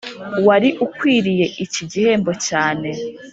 wari ukwiriye iki gihembo cyane.